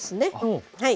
はい。